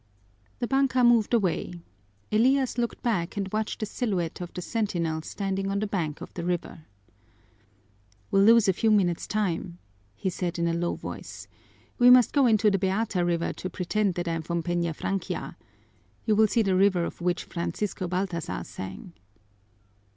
The banka moved away. Elias looked back and watched the silhouette of the sentinel standing on the bank of the river. "We'll lose a few minutes' time," he said in a low voice. "We must go into the Beata River to pretend that I'm from Peñafrancia. You will see the river of which Francisco Baltazar sang."